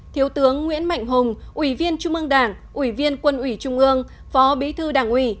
thiếu tướng nguyễn mạnh hùng ủy viên trung ương đảng ủy viên quân ủy trung ương phó bí thư đảng ủy